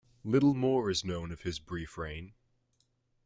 Little more is known of his brief reign.